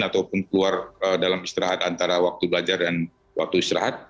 ataupun keluar dalam istirahat antara waktu belajar dan waktu istirahat